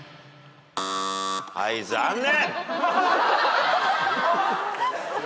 はい残念。